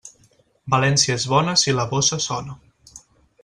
València és bona si la bossa sona.